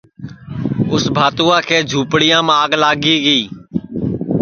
پپوا کی جُھوپڑیام آگ لگی گی